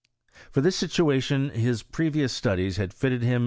For this situation his previous studies had fitted VOL.